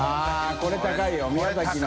△これ高いよ宮崎の。